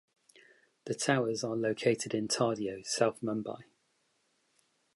The towers are located in Tardeo, South Mumbai.